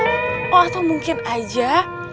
oh atau mungkin aja